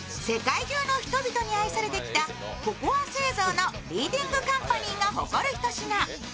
世界中の人々に愛されてきたココア製造のリーディングカンパニーが誇るひと品。